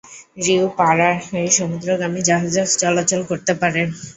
রিউ পারায় সমুদ্রগামী জাহাজ চলাচল করতে পারে।